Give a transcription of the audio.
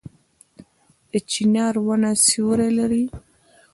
د چنار ونه سیوری لري